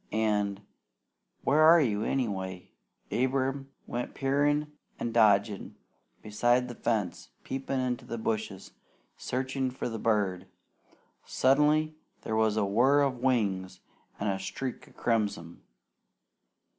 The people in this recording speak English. An' where are you, anyway?" Abram went peering and dodging beside the fence, peeping into the bushes, searching for the bird. Suddenly there was a whir of wings and a streak of crimson.